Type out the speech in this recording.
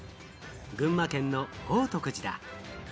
群馬県の宝徳寺だ。